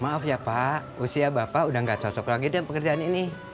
maaf ya pak usia bapak udah gak cocok lagi deh pekerjaan ini